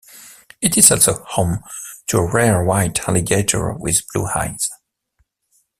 It is also home to a rare white alligator with blue eyes.